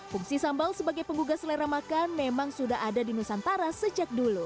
fungsi sambal sebagai penggugah selera makan memang sudah ada di nusantara sejak dulu